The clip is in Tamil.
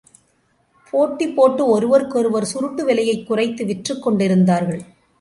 போட்டி போட்டு ஒருவர்க்கொருவர் சுருட்டு விலையைக் குறைத்து விற்றுக்கொண்டிருந்தார்கள்.